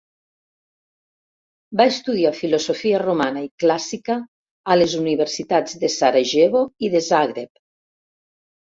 Va estudiar Filosofia Romana i Clàssica a les universitats de Sarajevo i de Zagreb.